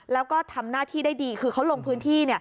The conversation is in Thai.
แล้วก็ทำหน้าที่ได้ดีคือเขาลงพื้นที่